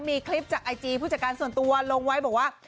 มีคลิปจากไอจีผู้จัดการส่วนตัวลงไว้บอกว่า